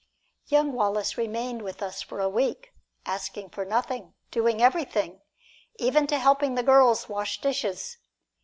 Young Wallace remained with us for a week, asking for nothing, doing everything, even to helping the girls wash dishes.